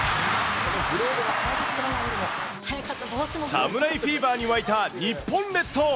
侍フィーバーに沸いた日本列島。